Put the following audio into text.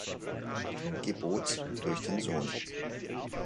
Gebots durch den Sohn.